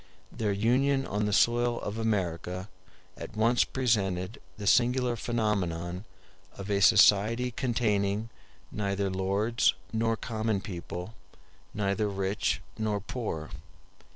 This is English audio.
Their union on the soil of America at once presented the singular phenomenon of a society containing neither lords nor common people, neither rich nor poor.